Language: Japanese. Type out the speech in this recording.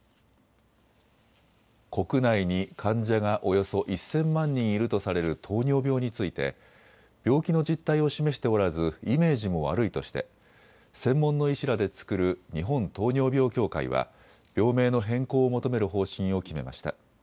国内に患者がおよそ１０００万人いるとされる糖尿病について病気の実態を示しておらずイメージも悪いとして専門の医師らで作る日本糖尿病協会は病名の変更を求める方針を決めました。